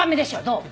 どう？